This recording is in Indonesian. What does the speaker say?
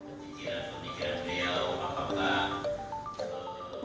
pertama pertama pertama